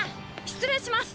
失礼します。